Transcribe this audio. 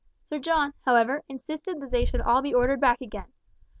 Sir John, however, insisted that they should all be ordered back again.